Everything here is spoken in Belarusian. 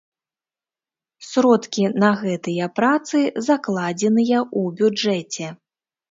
Сродкі на гэтыя працы закладзеныя ў бюджэце.